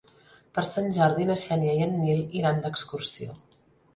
Per Sant Jordi na Xènia i en Nil iran d'excursió.